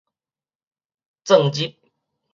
鑽入